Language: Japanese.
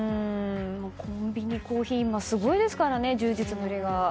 コンビニコーヒーも今すごいですからね、充実ぶりが。